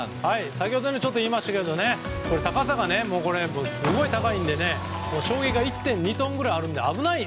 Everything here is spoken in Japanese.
先ほども言いましたが高さが、すごい高いので衝撃が１．２トンぐらいあるので危ない。